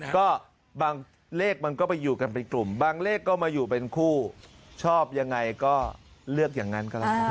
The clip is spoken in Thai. ก็บางเลขมันก็ไปอยู่กันเป็นกลุ่มบางเลขก็มาอยู่เป็นคู่ชอบยังไงก็เลือกอย่างนั้นก็แล้วกัน